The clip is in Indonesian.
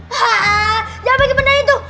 haa jangan pakai benda itu